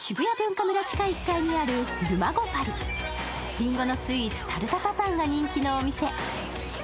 りんごのスイーツ、タルト・タタンが人気のお店。